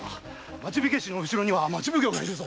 町火消しの後ろには町奉行がいるぞ。